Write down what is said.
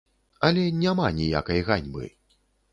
Але няма ніякай ганьбы.